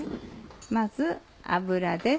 まず油です。